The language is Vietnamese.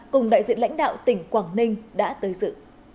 cùng đại diện lãnh đạo tỉnh quảng ninh đã tới dự